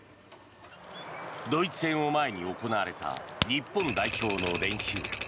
ドイツ戦を前に行われた日本代表の練習。